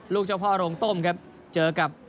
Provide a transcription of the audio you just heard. เจ้าพ่อโรงต้มครับเจอกับ